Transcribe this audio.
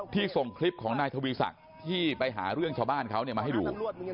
ที่ส่งคลิปของนายทวีสักที่ไปหาเรื่องชาวบ้านเขาเนี่ยมาให้ดู